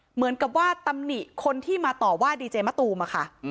เหมือนกับว่าตำหนิคนที่มาต่อว่าดีเจมะตูมอะค่ะ